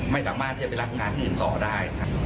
ไม่สามารถที่จะไปรับงานที่อื่นต่อได้ครับ